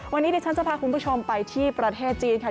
วันนี้ดิฉันจะพาคุณผู้ชมไปที่ประเทศจีนค่ะ